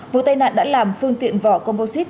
vụ tai nạn đã làm phương tiện vỏ composite